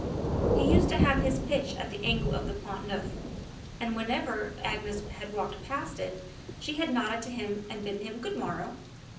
He used to have his pitch at the angle of the Pont Neuf, and whenever Agnes had walked past it, she had nodded to him and bidden him "Good morrow!"